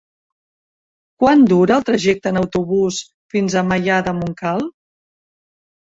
Quant dura el trajecte en autobús fins a Maià de Montcal?